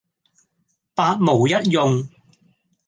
百無一用